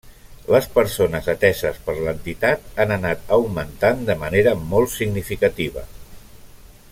Les persones ateses per l'entitat han anat augmentant de manera molt significativa.